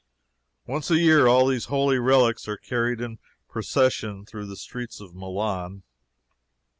Once a year all these holy relics are carried in procession through the streets of Milan.